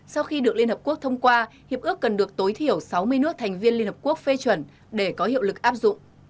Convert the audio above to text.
sau khi được liên hợp quốc thông qua hiệp ước cần được tối thiểu sáu mươi nước thành viên liên hợp quốc phê chuẩn để có hiệu lực áp dụng